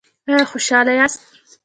ایا خوشحاله یاست؟